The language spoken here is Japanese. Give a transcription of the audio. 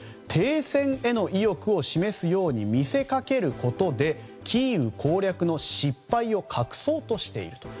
停戦への意欲を示すように見せかけることでキーウ攻略の失敗を隠そうとしている。